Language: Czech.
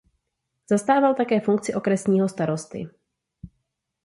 Zastával také funkci okresního starosty.